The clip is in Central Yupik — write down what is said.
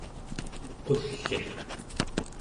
qull'iq